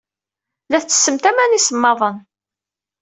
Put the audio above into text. La ttessemt aman iṣemmaḍen.